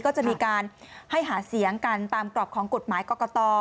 ก็จะมีการให้หาเสียงกันตามกรอบของกฎหมายกรกต